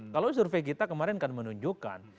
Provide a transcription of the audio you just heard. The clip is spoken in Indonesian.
kalau survei kita kemarin kan menunjukkan